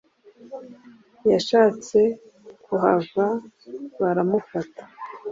yashatse kuhava baramufata